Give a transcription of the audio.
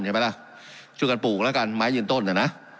ใช่ไหมล่ะช่วยกันปลูกแล้วกันไม้ยืนต้นน่ะนะ